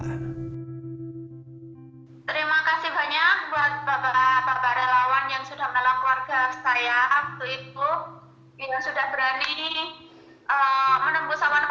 terima kasih banyak buat bapak bapak relawan yang sudah menolong keluarga saya waktu itu